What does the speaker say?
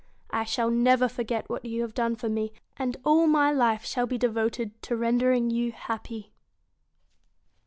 I shall never forget what you have done for me, and all my life shall be devoted to rendering you happy.'